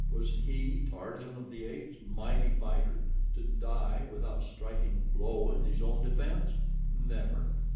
Was he, Tarzan of the Apes, mighty fighter, to die without striking a blow in his own defense? Never!